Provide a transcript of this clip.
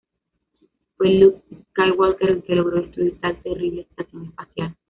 Fue Luke Skywalker el que logró destruir tal terrible estación espacial.